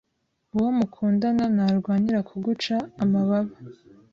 Uwo mukundana ntarwanira kuguca amababa